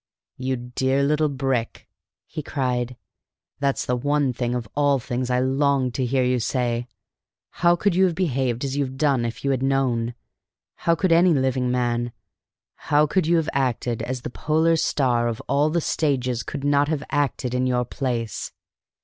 "You dear little brick," he cried, "that's the one thing of all things I longed to hear you say! How could you have behaved as you've done if you had known? How could any living man? How could you have acted, as the polar star of all the stages could not have acted in your place?